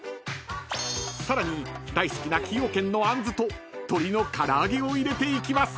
［さらに大好きな崎陽軒のあんずと鶏の唐揚げを入れていきます］